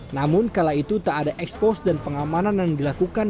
namun kala itu tak ada ekspos dan pengamanan yang dilakukan